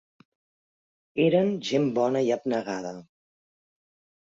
Eren gent bona i abnegada.